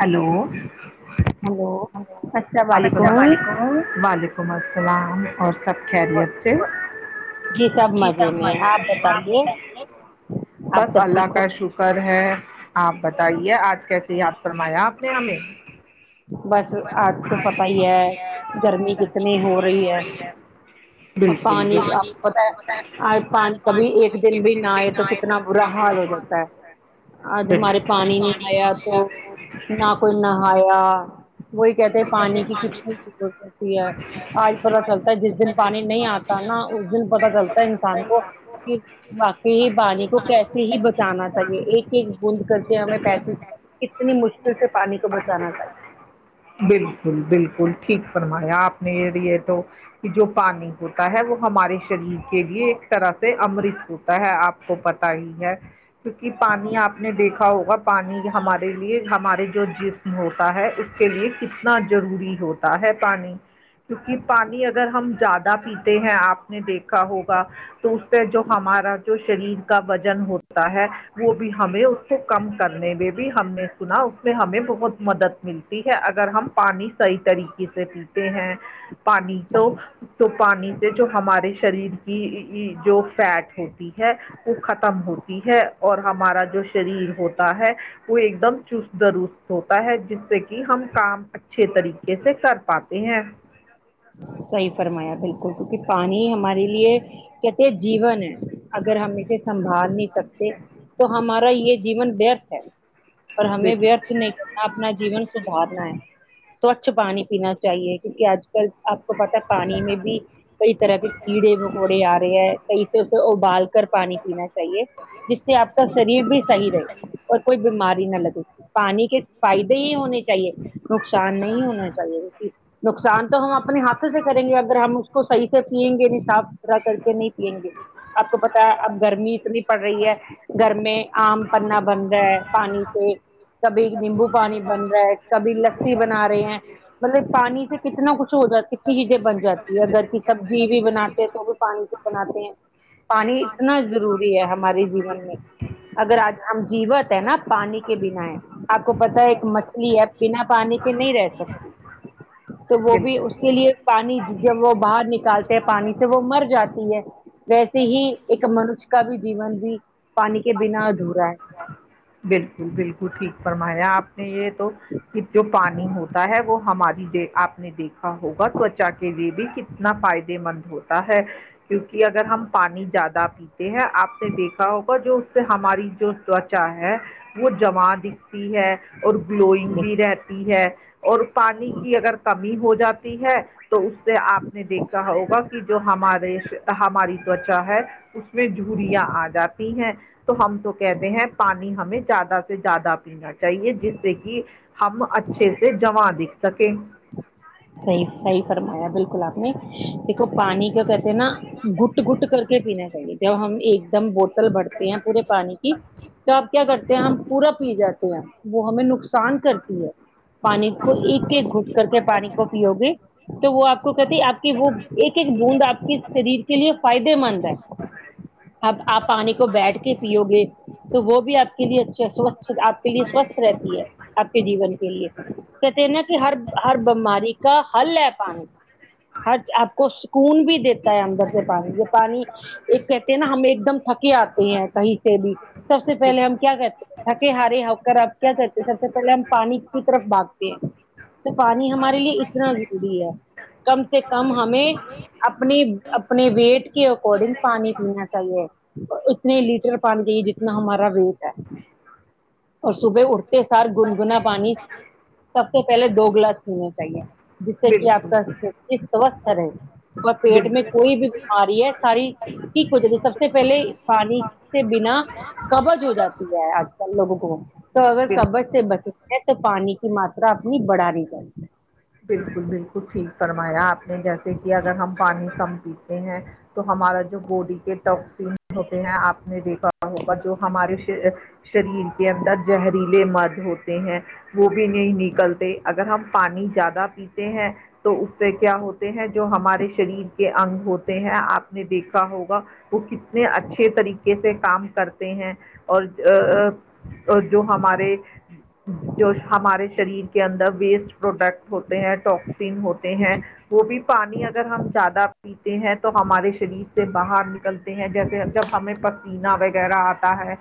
hello hello السلام علیکم وعلیکم السلام اور سب خیریت سے سب [unintelligible] جی مزے میں آپ بتائیے آپ بس سب اللہ ٹھیک ہو کا شو کر ہے آپ بتائیے آج کیسے یاد فرمایا آپ نے ہمیں بس آج تو پت ہی مائی ہے گرکی گرمی کتنی ہو رہی ہے اور پانی آپ کو پتا ہے پانی کبھی ایک دن بھی نہ آئے تو کتنا برا حال ہو جاتا ہے آج ہمارے پانی نہیں آیا تو ن کوئی نہ ہایا وہی کہتے ہیں پانی کی کتنی ضورت ہوتی ہے آج پتا چلتا ہے جس دن پانی نہیں آتا نا اس دن پتا چلتا ہے انسان کو کہ باقی ہی بانی کو کیسے سے ہی بچانا چاہیے ایک ایک بوند کر کے ہمیں پیس کتنی مشکل سے پانی کو بچانا چاہیے بالکل بالکل ٹھیک فرمایا آپ نے یہ تو کہ جو پانی ہوتا ہے وہ ہمارے شریر کے لیے ایک طرح سے امرت ہوتا ہے آپ کو پتا ہی ہے کیونکہ پانی آپ نے دیکھا ہوگا پانی ہمارے لیے ہمارے جو جسم ہوتا ہے اس کے لیے کتنا ضروری ہوتا ہے پانی کیونکہ پانی اگر ہم زیادہ پیتے ہیں آپ نے دیکھا ہوگا تو اس سے جو ہمارا جو شریر کا وزن ہوتا ہے وہ بھی ہمیں اس کو کم کرنے میں بھی ہم نے سنا اس میں ہمیں بہت مدد ملتی ہے اگر ہم پانی صحیح طریقے سے پیتے ہیں پانی تو صحیح تو پانی سے جو ہمارے شریر کی جو فیٹ ہوتی ہے وہ ختم ہوتی ہے اور ہمارا جو شریر ہوتا ہے وہ ایک دم چست درست ہوتا ہے جس سے کہ ہم کام اچھے طریقے سے کر پاتے ہیں صحیح فرمایا بالکل کیونکہ پانی ہمارے لیے کہتے جیون ہے اگر ہم اسے سنبھال نہیں سکتے تو ہمارا یہ جیون ورتھ ہے اور ہمیں بالکل ورتھ نہیں کرنا اپنا جیون سدھارنا ہے سوچھ پانی پینا چاہیے کیونکہ آجل آپ کو پتاہ پانی میں بھی کئی طرح کے کیڑے وکوڑے آ رہے ہیں صحیح سے پہ ابال کر پانی پینا چاہیے جس سے آپ کا شریر بھی صحیح رہے اور کوئی بیماری نہ لگے پانی کے فائدے ہی ہونے چاہیے نقصان نہیں ہونا چاہیے نقصان تو ہم اپنے ہاتھوں سے کریں گے اگر ہم اس کو صحیح سے پییں گے نصااب رح کر کے نہیں پیئیں گے آپ کو پتا ہے اب گرمی اتنی پڑ رہی ہے گھر میں آم پنا بن رہا ہے پانی سے کبھی نیمبو پانی بن رہا ہے کبھی لسی بنا رہے ہیں مطلب پانی سے کتنا کچھ ہو کتنی چیزیں بن جاتی ہے اگر کہ سبزی بھی بناتے ہیں تو بھی پانی سے بناتے ہیں پانی اتنا ضروری ہے ہمارے جیون میں اگر آج ہم جیوت ہے نا پانی کے بنا ہے آپ کو پتا ہے ایک مچھلی ہے بنا پانی کے نہیں رہ سکتی تو وہ بھی اس کے لیے پانی جب وہ باہر نکالتے ہیں پانی سے وہ مر جاتی ہے ویسے ہی ایک منش کا بھی جیون بھی پانی کے بنا ادھورا ہے بالکل بالکل ٹھیک فرمایا آپ نے یہ تو جو پانی ہوتا ہے وہ ہماری آپ نے دیکھا ہوگا تچا کے لیئے بھی ک تنا فائدے مند ہوتا ہے کیونکہ اگر ہم پانی زیادہ پیتے ہے آپ نے دیکھا ہوگا جو اس سے ہماری جو تچا ہے وہ جمع دکھ ہے اور گلوئنگ ہے بھی رہتی ہے اور پانی کی اگر کمی ہو جاتی ہے تو اس سے آپ نے دیکھا ہوگا کی جو ہمارے اس ہماری تچا ہے اس میں جھوریاں آ جاتی ہیں تو ہم تو کہتے ہیں پانی ہمیں زیادہ سے زیادہ پین چاہیے جس سے کی ہم اچھے سے جماں دکھ سکیں صحی صحی فرمایا بالکل آپ نے دیکھو پانی کا کہتے ہیں نا گٹ گٹ کر کے پینا چاہیے جب ہم ایک دم بو تل بھرتے ہیں پورے پانی کی تو آپ کیا کرتے ہیں ہم پورا پی جاتے ہیں وہ ہمیں نقص سان کرتی ہے پانی کو ایک ایک گھٹ کر کے پانی کو ہوگی تو وہ آپ کو کہتے آپ کی وہ ایک ایک بوند آپ کے شریر کے لیے فائدے مند ہے اب آپ پانی کو بیٹھ کے پیو گے تو وہ بھی آپ کے لیے اچھے سوچھ آپ کے لیے سوستھ رہتی ہے آپ کے جیون کے لیے کہتے ہیں نہ کہ ہر ہر بیماری کا حل ہے پانی ہر آپ کو سکون بھی دیتا ہے اندر سے پانی یہ پانی ایک کہتے ہیں نا ہم ایک دم تھکے آتے ہیں کہیں سے بھی سب سے پہلے ہم کیا کہتے تھکے ہارے ہو کر اب کیا کہتے ہیں سب سے پہلے ہم پانی کی طرف باگتے تو پانی ہمارے لیے اتنا ضروری ہے کم سے کم ہمیں اپنے اپنے ویٹ کے اکارڈنگ پانی پینا چاہیے اتنے لیٹر پانی پیئے جتنا ہمارا ویٹ ہے اور صبح اٹھتے سار گنگنا پانی سب سے پہلے دو گلاس پینے چاہیے جس سے کہ آپ کا سوستھ رہے اور پیٹ میں کوئی بھی بیماری ہے ساری ٹھیک ہوتا سب سے پہلے پانی سے بنا قبض ہو جاتی ہے آج کل لوگوں کو تو اگر قبض سے بچ نہ ہیں تو پانی ماترا اپنی بڑھا نی چاہیے بالکل بالکل ٹھیک فرمایا آپ نے جیسے کہ اگر ہم پانی کم پیتے ہیں تو ہمارا جو باڈی کے ٹوکسین ہوتے ہیں آپ نے دیکھا ہو گا جو ہمارے شا شریر کے اندر زہریلے مد ہوتے ہیں وہ بھی نہیں نکلتے اگر ہم پانی زیادہ پیتے ہیں تو اس سے کیا ہوتے ہیں جو ہمارے شریر کے انگ ہوتے ہیں آپ نے دیکھا ہوگا وہ کتنے اچھے طریقے سے کام کرتے ہیں اور ا جو ہمارے جو ہمارے شریر کے اندر ویسٹ پروڈکٹ ہوتے ہیں ٹاکسین ہوتے جی ہیں جی وہ بھی پانی اگر ہم زیادہ تے ہیں تو ہمارے شریر سے سے باہر نکلتے ہیں جیسے جب ہمیں پسینہ وغیرہ آتا ہے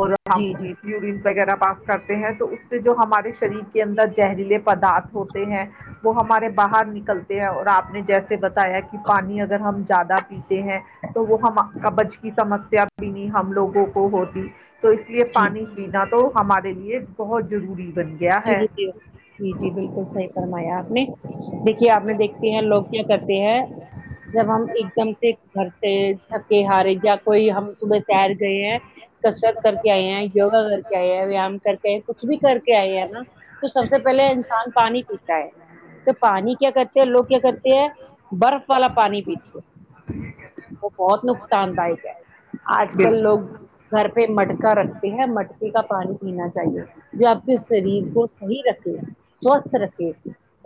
اور ہم جی جی یورین وغیرہ پاس کرتے ہیں تو اس سے جو ہمارے شریر کے اندر زہریلے پدارتھ ہوتے ہیں وہ ہمارے باہر نکلتے ہیں اور آپ نے جیسے بتایا کہ پانی اگر ہم زیادہ پیتے ریر ہیں تو وہ ہم قبض کی سمسیا بھی نہیں ہم لوگوں کو ہوتی تو اس لیے جی پانی پینا تو ہمارے لیے بہت ضروری بن گیا ہے جرور ج جی جی بالکل صحی فرمایا آپ نے دیکھیے آپ نے دیکھتے ہیں لوگ کیا کرتے ہیں جب ہم ایک دم سے گھر سے تھک ہارے یا کوئی ہم صبح سیر گئے ہیں کسرت کر کے آئے ہیں یوگا کر کے آئے ہیں ویام کر کے آئے ہیں کچھ بھی کر کے آئے ہیں تو نہ تو سب سے پہلے انسان پانی پیتا ہے تو پانی کیا کرتے ہیں لوگ کیا کرتے ہیں برف والا پانی پیتے وہ بہت نقصان دائک ہے آج بالکل کل لوگ گھر پہ مٹکا رکھتے ہیں مٹکے کا پانی پینا چاہیے جو آپ کے شریر کو صحیح رکھے سوستھ رکھے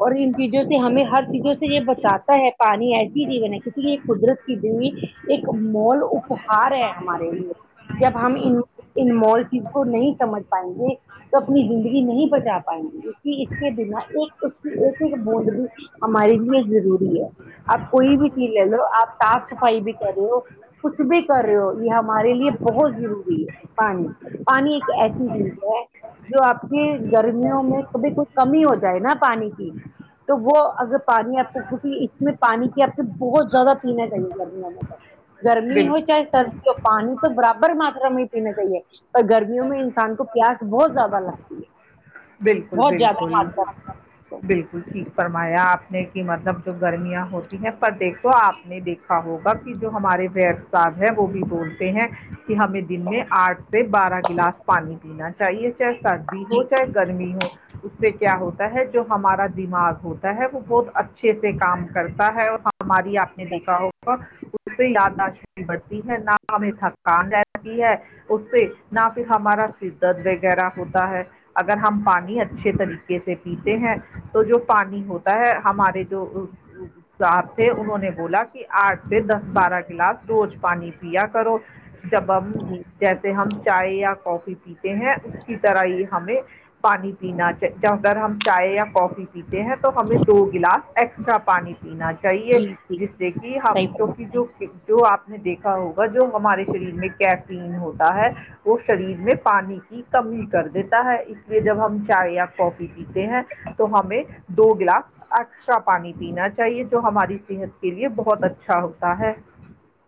اور ان چیزوں سے ہمیں ہر چیزوں سے یہ بچاتا ہے پانی ایسی چیز ہے نا کسی قدرت کی دی ہوئی ایک مول اپھار ہے ہمارے لیے جب ہم ان انمول چیز کو نہیں سمجھ پائیں گے تو اپنی زندگی نہیں بچا پائیں گی کی کہ اس کے بنا ایک اس کی ایک ایک بوڈ بھی ہمارے لیے ضروری ہے آپ کوئی بھی چیز لے لو آپ صاف صفائی بھی کر لو کچھ بھی کر رہے ہو یہ ہمارے لیے بہت ضروری ہے پانی پانی ایک ایسی چیز ہے جو آپ گرمیوں میں کبھی کچھ کمی ہو جائے نا پانی کی تو وہ اگر پانی آپ کو ہوتی اس میں پانی کی آپ کو بہت زیادہ پینا چاہیے گرمیوں میں تک گرمی ہو چاہے سردی ہو پانی تو برابر ماترا میں ہی پینا چاہیے اور گرمیوں میں انسان کو پیاس بہت زیادہ لگتی ہے بالکل بہت زیادہ بالکل ماترا میں بالکل ٹھیک فرمایا آپ نے کہ مطلب جو گرمیاں ہوتی ہیں پر دیکھو آپ نے دیکھ کھا ہوگا کہ جو ہمارے وید صاحب ہے وہ بھی بولتے ہیں کہ ہمیں دن میں آٹھ سے بارہ گلاس پانی پینا چاہیے چاہے سردی ہو جی چاہے گرمی ہو اس سے کیا ہوتا ہے جو ہمارا دماغ ہوتا ہے وہ بہت اچھے سے کام کرتا ہے اور ہماری آپ نے دیکھا ہوگا اس پہ یادداشت بھی بڑھتی ہے نہ ہمیں تھکان رہتی ہے اس سے نہ پھر ہمارا سر درد وغیرہ ہوتا ہے اگر ہم پانی اچھا اچھے طریقے سے پیتے ہیں تو جو پانی ہوتا ہے ہمارے جو صاحب تھے انہوں نے بولا کہ آٹھ سے دس بارہ گلاس روز پانی پیا کرو جب ہم جی جیسے ہم چائے یا کافی پیتے ہیں اس کی طرح ہی ہمیں پانی پینا جہ تر ہم چائے یا کافی پی پتے ہیں تو ہمیں دو گلاس ایکسٹرا پانی پینا چاہیے جی جی جس سے کہ صحیح ہفتوں فرما کی جو جو آپ نے دیکھا ہوگا جو ہمارے شریر میں کیفین ہوتا ہے کو شریر میں پانی کی کمی کر دیتا ہے اس لیے جب ہم چائے یا کافی پیتے ہیں تو ہمیں دو گلاس ایکسٹرا پانی پینا چاہیے جو ہماری صحت کے لیے بہت اچھا ہوتا ہے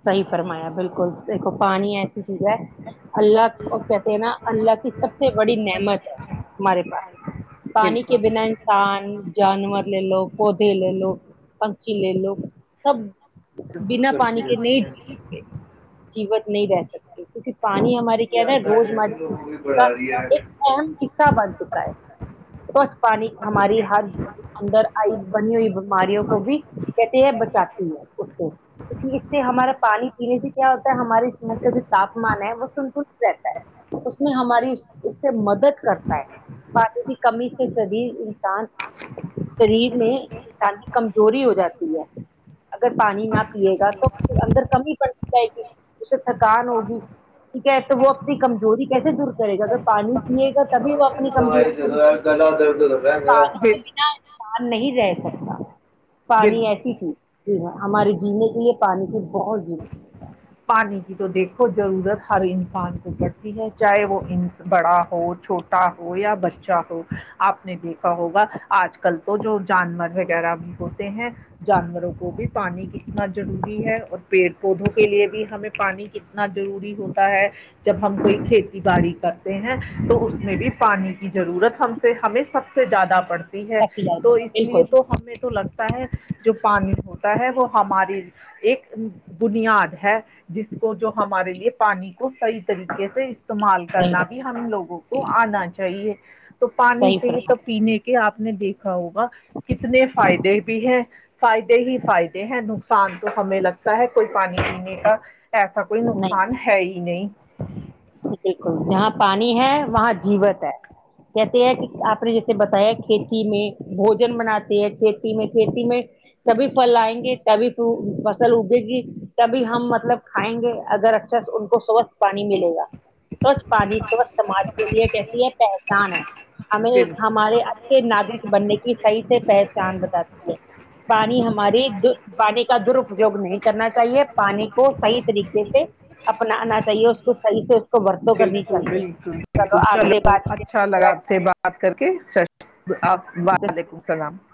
صحیح فرمایا بالکل دیکھو پانی ایسی چیز ہے اللہ کو کہتے ہیں نا اللہ کی سب سے بڑی نعمت ہے ہمارے پاس پانی بالکل کے بنا انسان جانور لے لو پودے لے لو پکشی لے لو سب [inaudible] ایک جی جیوت نہیں رہ سکتے کیونکہ پانی ہماری جی کیا نا آتا روز ہے بھی ہماری لوگوں کی کا بڑھا رہی ایک ہے اہم حصہ بن چکا ہے سوچھ پانی ہماری ہر اندر آئی بنی ہوئی بیماریوں کو بھی کہتے ہے بچاتی ہے اس سے کیونکہ اس سے ہمارا پانی پینے سے کیا ہوتا ہے ہمارے چین کا جو تاپمان ہے وہ سنکل رہتا ہے اس میں ہماری اس سے مدد کرتا ہے پانی کی کمی شری انسان شریر میں انسان کی کمزور ہو جاتی ہے اگر پانی نہ پیے گا تو اندر کمی پڑ جائے گی اسے تھکان ہوگی ٹھیک ہے تو وہ اپنی کمزوری کیسے دور کرے گا اگر پانی پیے گا تبھی وہ اپنی کمزوری دوائی کو بھی [unintelligible] انسان نہیں رہ سکتا پانی ایسی چیز جی ہمارے جینے کے لیے پانی کی بہت پانی کی تو دیکھو ضرورت ہر انسان کو پڑتی ہے چاہے وہ ان بڑا ہو چھوٹا ہو یا بچہ ہو آپ نے دیکھا ہوگا آج کل تو جو جانور وغیرہ بھی ہوتے ہیں جانوروں کو بھی پانی کتنا ضروری ہے اور پیڑ پودوں کے لیے بھی ہمیں پانی کتنا ضروری ہوتا ہے جب ہم کوئی کھیتی باڑی کر تے ہیں تو اس میں بھی پانی کی ضرورت ہم سے ہمیں سب سے زیادہ پڑتی ہے تو اس لیے تو ہمیں تو لگتا ہے جو پانی ہوتا ہے وہ ہماری ایک دنیا ہے جس کو جو ہمارے لیے پانی کو صحیح طریقے سے استعمال کرنا صحیح بھی ہم لوگوں کو آنا چاہیے تو پانی صحیح چاہیے فرما تو پینے کے کہ آپ نے دیکھا ہوگا کتنے فائدے بھی ہیں فائدے ہی فائدے ہیں نقصان تو ہمیں لگتا ہے کوئی پانی پینے کا ایسا کوئی نہیں نقصان ہے ہی نہیں بالکل جہاں پانی ہے وہاں جیوت ہے کہتے ہیں کہ آپ نے جیسے بتایا کھیتی میں بھوجن بناتے ہیں کھیتی میں کھیتی میں تبھی پھل آئیں گے تبھی فرو فصل اگے گی تبھی ہم مطلب کھائیں گے اگر اچھا ان کو سوستھ پانی ملے گا سوچھ پانی سوچھ سماج کے لیے کہتی ہے پہچان ہے ہمیں ہمارے سے ناگرک بننے کی صحیح سے پہچان بتاتی ہے پانی ہماری در پانی کا درپیوگ نہیں کرنا چاہیے پانی کو صحیح طریقے سے اپنانا چاہیے اس کو صحیح سے کو ورتوں کرنی چاہیے بالکل بالکل چلو [unintelligible] آٹتے بعد اچھا لگا آپ بڑا سے اچھا لگا بات کر کے [unintelligible] وعلیکم السلام